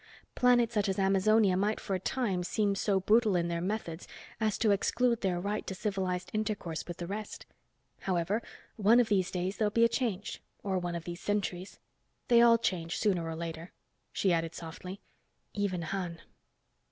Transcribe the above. Planets such as Amazonia might for a time seem so brutal in their methods as to exclude their right to civilized intercourse with the rest. However, one of these days there'll be a change—or one of these centuries. They all change, sooner or later." She added softly, "Even Han."